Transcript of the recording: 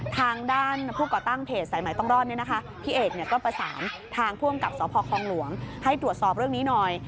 ทางด้านผู้ก่อตั้งเพจสายใหม่ต้องรอดพี่เอกก็ประสานทางผู้อำกับสพคองหลวงให้ตรวจสอบเรื่องนี้หน่อย